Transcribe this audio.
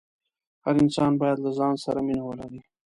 هر انسان باید له ځان سره مینه ولري.